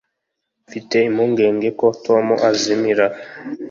mfite impungenge ko tom azimira